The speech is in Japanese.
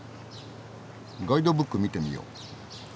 ガイドブック見てみよう。